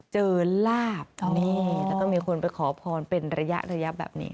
เจอราบในนี้แล้วก็มีคนไปขอพรเป็นระยะระยะแบบนี้